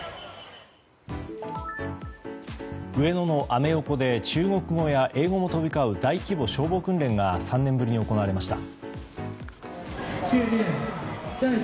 上野のアメ横で中国語や英語が飛び交う大規模消防訓練が３年ぶりに行われました。